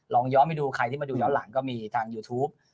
ย้อนไปดูใครที่มาดูย้อนหลังก็มีทางยูทูป